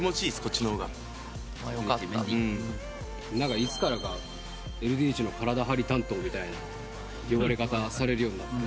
いつからかＬＤＨの体張り担当みたいな呼ばれ方されるようになって。